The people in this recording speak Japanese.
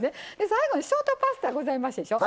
最後にショートパスタございますでしょ。